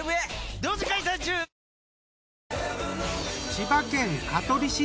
千葉県香取市。